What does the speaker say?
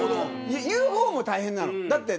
言う方も大変なの。